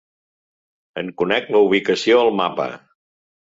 En conec la ubicació al mapa.